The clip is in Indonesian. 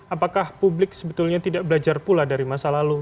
apakah publik sebetulnya tidak belajar pula dari masa lalu